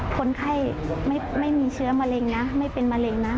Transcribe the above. คนไข้ไม่มีเชื้อมะเร็งนะไม่เป็นมะเร็งนะ